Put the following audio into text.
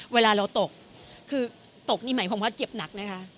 เวลาเราตกคือตกนี่หมายความว่าเจ็บหนักนะคะ